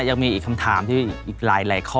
ยังมีอีกคำถามที่อีกหลายข้อ